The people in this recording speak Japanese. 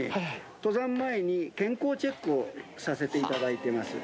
登山前に健康チェックをさせていただいてます。